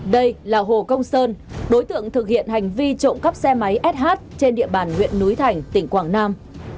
đây là hồ công sơn đối tượng thực hiện hành vi trộm cắp xe máy sh trên địa bàn huyện núi thành tỉnh quảng nam